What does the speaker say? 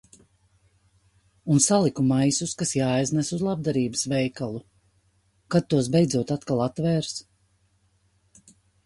Un saliku maisus kas jāaiznes uz labdarības veikalu. Kad tos beidzot atkal atvērs.